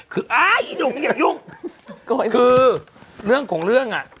คือเรื่องของเรื่อง